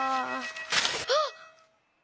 あっ！